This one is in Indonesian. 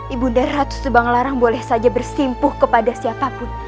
ibu dan ratu subang larang boleh saja bersimpuh kepada siapapun